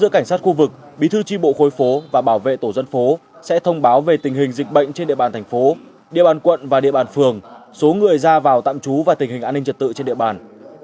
cảnh sát khu vực bí thư tri bộ khối phố và bảo vệ tổ dân phố sẽ thông báo về tình hình dịch bệnh trên địa bàn thành phố địa bàn quận và địa bàn phường số người ra vào tạm trú và tình hình an ninh trật tự trên địa bàn